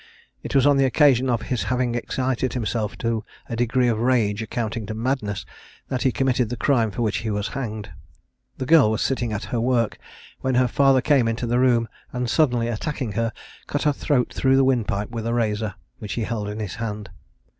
It was on the occasion of his having excited himself to a degree of rage amounting to madness, that he committed the crime for which he was hanged. The girl was sitting at her work, when her father came into the room, and suddenly attacking her, cut her throat through the windpipe with a razor, which he held in his hand.